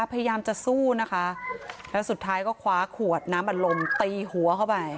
พยายามจะสู้นะคะแล้วสุดท้ายก็คว้าขวดน้ำอัดลมตีหัวเข้าไป